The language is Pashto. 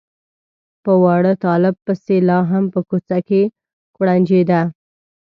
په واړه طالب پسې لا هم په کوڅه کې کوړنجېده.